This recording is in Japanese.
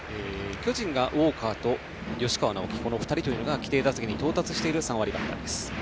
巨人がウォーカーと吉川尚輝の２人というのが規定打席に到達している３割バッターです。